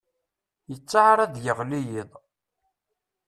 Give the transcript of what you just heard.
Yettaɛar ad d-yeɣli yiḍ.